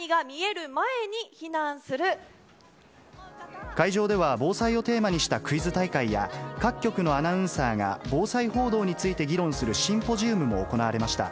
Ｂ、会場では、防災をテーマにしたクイズ大会や、各局のアナウンサーが、防災報道について議論するシンポジウムも行われました。